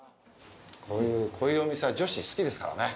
こういうお店は女子好きですからね。